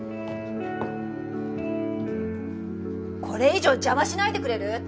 これ以上邪魔しないでくれる？